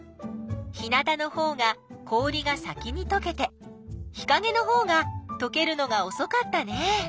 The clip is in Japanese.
日なたのほうが氷が先にとけて日かげのほうがとけるのがおそかったね。